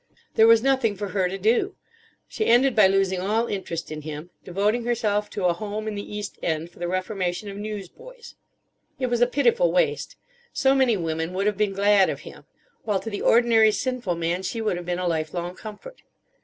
There was nothing for her to do. She ended by losing all interest in him, devoting herself to a Home in the East End for the reformation of newsboys. It was a pitiful waste: so many women would have been glad of him; while to the ordinary sinful man she would have been a life long comfort.